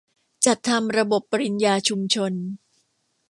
จัดทำระบบปริญญาชุมชน